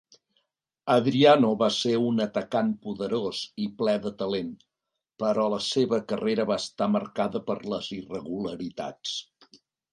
Adriano va ser un atacant poderós i ple de talent, però la seva carrera va estar marcada per les irregularitats.